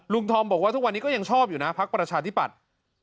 ธอมบอกว่าทุกวันนี้ก็ยังชอบอยู่นะพักประชาธิปัตย์